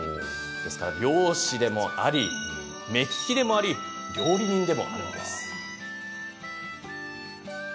漁師でもあり、目利きでもあり料理人でもあるんです。